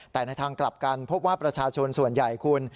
แต่ในทางกลับกันพบว่าประชาชนส่วนใหญ่คุณ